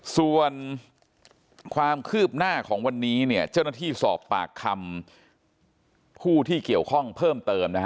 ส่วนความคืบหน้าของวันนี้เนี่ยเจ้าหน้าที่สอบปากคำผู้ที่เกี่ยวข้องเพิ่มเติมนะฮะ